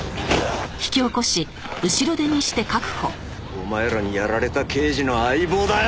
お前らにやられた刑事の相棒だよ！